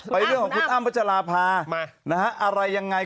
เรื่องของคุณอ้ำพัชราภาอะไรยังไง